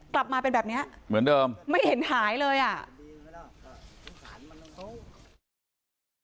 กลับมาเป็นแบบเนี้ยเหมือนเดิมไม่เห็นหายเลยอ่ะ